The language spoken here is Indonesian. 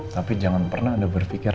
tapi jangan pernah ada berpikir